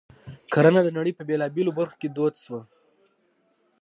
کرنه د نړۍ په بېلابېلو برخو کې دود شوه.